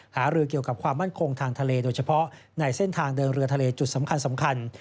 หารือเกี่ยวกับความมั่นคงทางทะเลโดยเฉพาะในเส้นทางเดินเรือทะเลจุดสำคัญ